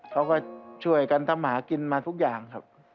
เขาก็ช่วยกันทำหากินมาทุกอย่างครับ